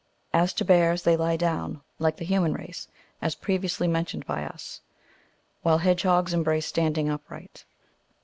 As to bears, they lie down, like the human race, as previous ly^ mentioned by us; while hedgehogs embrace standing upright.